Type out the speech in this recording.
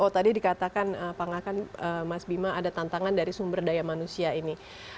kalau tadi dikatakan pak ngakan mas bima ada tantangan dari sumber daya manusia ini